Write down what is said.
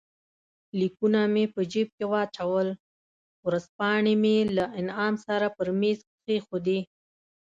لیکونه مې په جېب کې واچول، ورځپاڼې مې له انعام سره پر مېز کښېښودې.